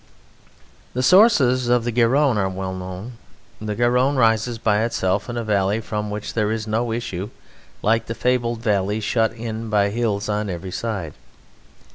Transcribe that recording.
The sources of the Garonne are well known. The Garonne rises by itself in a valley from which there is no issue, like the fabled valleys shut in by hills on every side.